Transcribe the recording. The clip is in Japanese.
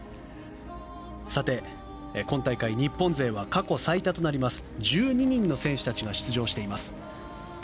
今大会、日本勢は過去最多となります１２人の選手たちが出場しています。